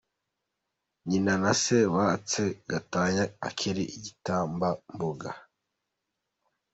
Nyina na se batse gatanya akiri igitambambuga.